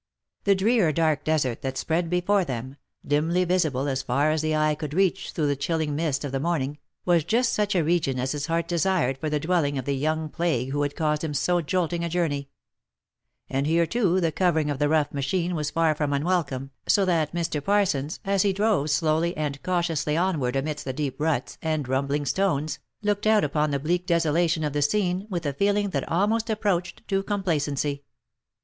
The drear dark desert that spread before them, dimly visible as far as the eye could reach through the chilling mist of the morning, was just such a region as his heart desired for the dwelling of the young plague who had caused him so jolting a journey ; and here too the covering of the rough machine was far from unwelcome, so that Mr. Parsons, as he drove slowly and cautiously onward amidst the deep ruts, and rum bling stones, looked out upon the bleak desolation of the scene, with a feeling that almost approached to complacency.